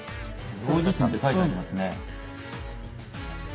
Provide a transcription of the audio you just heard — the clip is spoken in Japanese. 「大地震」って書いてありますね。